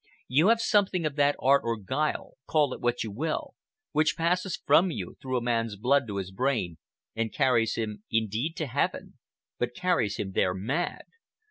You have something of that art or guile—call it what you will—which passes from you through a man's blood to his brain, and carries him indeed to Heaven—but carries him there mad.